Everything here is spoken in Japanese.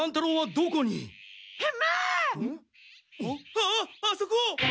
あっあそこ！